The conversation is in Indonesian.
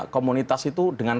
komunitas itu dengan